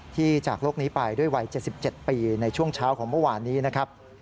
จากโลกนี้ไปด้วยวัย๗๗ปีในช่วงเช้าของเมื่อวานนี้นะครับ